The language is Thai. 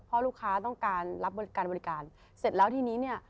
เพราะลูกค้าต้องการรับบริการบริการเสร็จแล้วทีนี้เนี่ย